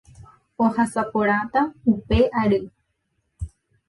ohasaporãta upe ary